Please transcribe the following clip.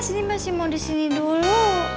cindy masih mau disini dulu